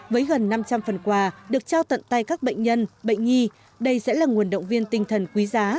với gần năm trăm linh phần quà được trao tận tay các bệnh nhân bệnh nhi đây sẽ là nguồn động viên tinh thần quý giá